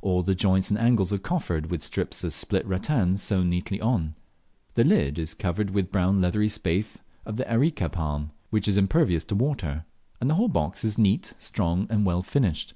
All the joints and angles are coffered with strips of split rattan sewn neatly on. The lid is covered with the brown leathery spathe of the Areca palm, which is impervious to water, and the whole box is neat, strong, and well finished.